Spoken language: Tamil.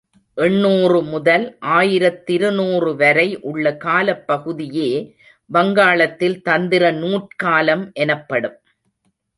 எண்ணூறு முதல் ஆயிரத்திரு நூறு வரை உள்ள காலப்பகுதியே வங்காளத்தில் தந்திர நூற்காலம் எனப்படும்.